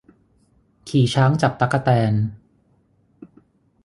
ขี่ช้างจับตั๊กแตน